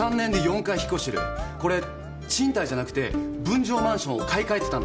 これ賃貸じゃなくて分譲マンションを買い替えてたんです。